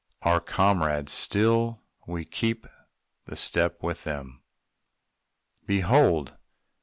Our comrades still; we keep the step with them, _Behold!